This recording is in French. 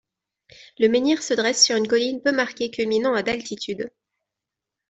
Le menhir se dresse sur une colline peu marquée culminant à d'altitude.